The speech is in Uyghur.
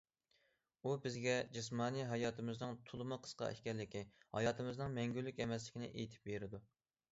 ئۇ بىزگە، جىسمانىي ھاياتىمىزنىڭ تولىمۇ قىسقا ئىكەنلىكى، ھاياتىمىزنىڭ مەڭگۈلۈك ئەمەسلىكىنى ئېيتىپ بېرىدۇ.